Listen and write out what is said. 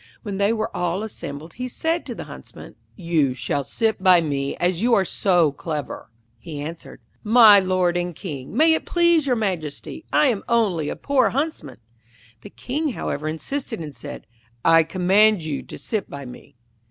When they were all assembled, he said to the Huntsman, 'You shall sit by me as you are so clever.' He answered, 'My lord and King, may it please your Majesty, I am only a poor Huntsman!' The King, however, insisted, and said, 'I command you to sit by me.'